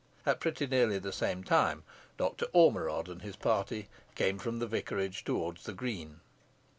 At pretty nearly the same time Doctor Ormerod and his party came from the vicarage towards the green.